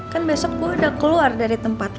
kan besok gue udah keluar dari tempat